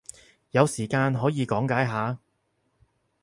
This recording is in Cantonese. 有時間可以講解下？